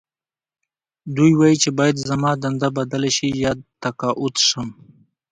دوی وايي چې باید زما دنده بدله شي یا تقاعد شم